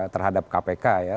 terhadap kpk ya